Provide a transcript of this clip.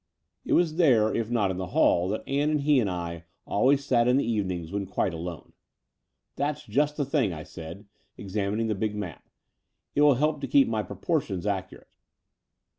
It was there, if not in the hall, that Ann and he and I always sat in the evenings, when quite alone. "That's just the thing," I said, examining the big map. "It will help to keep my proportions accurate."